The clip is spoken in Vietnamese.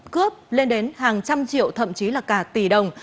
cướp lên đến hàng trăm triệu thậm chí là cả tỷ đồng